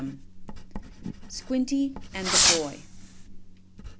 SQUINTY AND THE BOY.